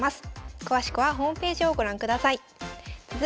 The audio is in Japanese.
詳しくはホームページをご覧ください。